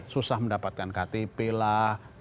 susah mendapatkan ktp lah